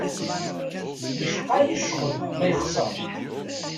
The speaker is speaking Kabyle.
Yecqa-yi ccɣel ma yexṣer.